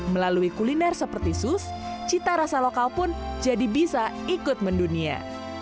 melalui kuliner seperti sus cita rasa lokal pun jadi bisa ikut mendunia